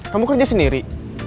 kamu kerja sendiri